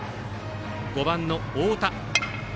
５番の太田。